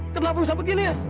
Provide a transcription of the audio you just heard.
kenapa usah begini